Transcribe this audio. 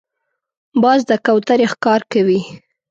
باز د کوترې ښکار کوي